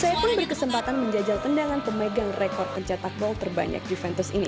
saya pun berkesempatan menjajal tendangan pemegang rekor pencetak gol terbanyak juventus ini